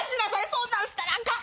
そんなんしたらあかん！